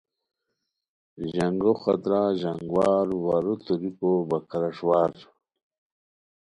ژانگو خطرہ ژانگ وار، وارو توریکو بکھارݰ وار